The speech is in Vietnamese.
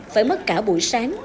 phải mất cả bụi sang